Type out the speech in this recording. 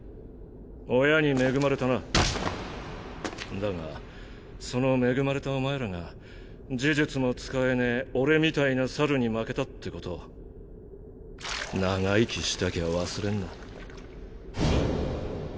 だがその恵まれたお前らが呪術も使えねぇ俺みたいな猿に負けたってこと長生きしたきゃ忘れんな。